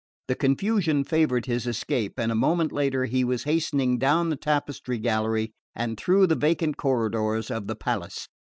The confusion favoured his escape, and a moment later he was hastening down the tapestry gallery and through the vacant corridors of the palace.